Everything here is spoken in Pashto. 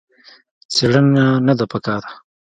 څېړنه نه ده په کار.